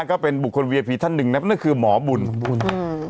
ก็เป็นบุคคลเวียพีท่านหนึ่งนะครับนั่นคือหมอบุญบุญ